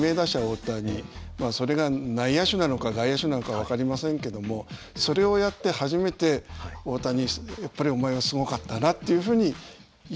それが内野手なのか外野手なのか分かりませんけどもそれをやって初めて「大谷やっぱりお前はすごかったな」っていうふうに言えるんじゃないでしょうか。